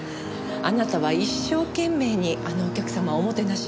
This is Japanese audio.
あなたは一生懸命にあのお客様をおもてなしした。